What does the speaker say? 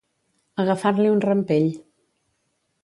Agafar-li un rampell.